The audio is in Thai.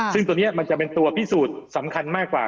ซึ่งตัวนี้มันจะเป็นตัวพิสูจน์สำคัญมากกว่า